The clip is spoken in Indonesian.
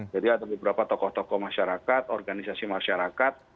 jadi ada beberapa tokoh tokoh masyarakat organisasi masyarakat